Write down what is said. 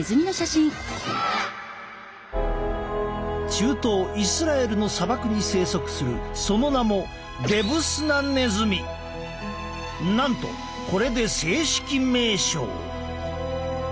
中東イスラエルの砂漠に生息するその名もなんとこれで正式名称。